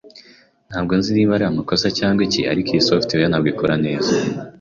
Ntabwo nzi niba ari amakosa cyangwa iki, ariko iyi software ntabwo ikora neza.